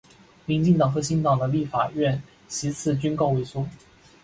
民进党和新党的立法院席次均告萎缩。